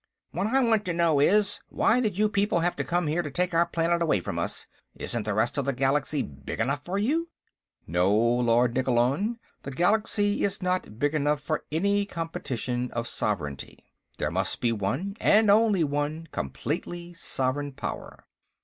"What I want to know is; why did you people have to come here to take our planet away from us? Isn't the rest of the Galaxy big enough for you?" "No, Lord Nikkolon. The Galaxy is not big enough for any competition of sovereignty. There must be one and only one completely sovereign power.